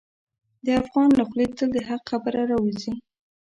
د افغان له خولې تل د حق خبره راوځي.